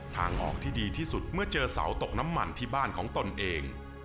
ทางออกที่ดีที่สุดเมื่อเจอเสาตกน้ำมันที่บ้านของตนเอง